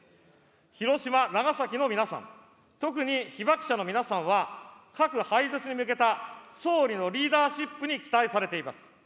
広島・長崎の皆さん、特に被爆者の皆さんは、核廃絶に向けた総理のリーダーシップに期待されています。